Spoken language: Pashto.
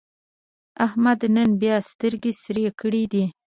احمد نن بیا سترګې سرې کړې دي.